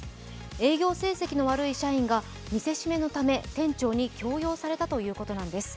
営業成績の悪い社員が見せしめのため店長に強要されたということなんです。